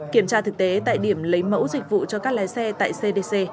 kiểm tra thực tế tại điểm lấy mẫu dịch vụ cho các lái xe tại cdc